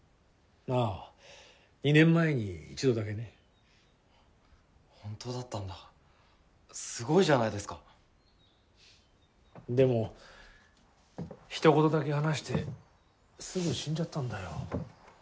ああ２年前に一度だけね本当だったんだすごいじゃないですかでもひと言だけ話してすぐ死んじゃったんだよ